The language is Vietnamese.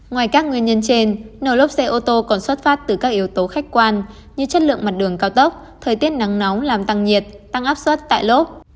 ngoài các nguyên nhân trên nổ lốp xe ô tô còn xuất phát từ các yếu tố khách quan như chất lượng mặt đường cao tốc thời tiết nắng nóng làm tăng nhiệt tăng áp suất tại lốp